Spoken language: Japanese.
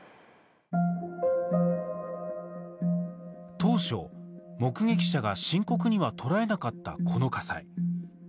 当初、目撃者が深刻には捉えなかった、この火災。